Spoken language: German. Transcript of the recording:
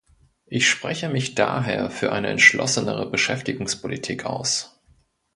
Ich spreche mich daher für eine entschlossenere Beschäftigungspolitik aus.